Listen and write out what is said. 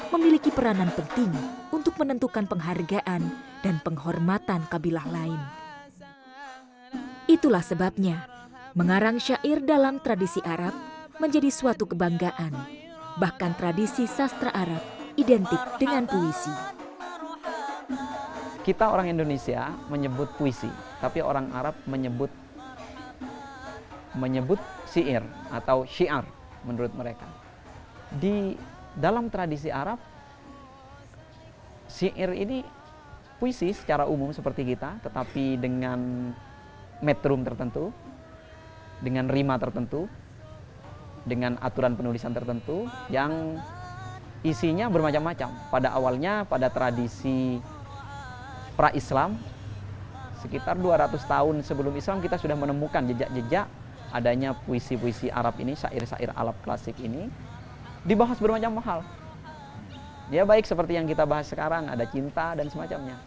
mereka memilih berontak dengan cara yang taksim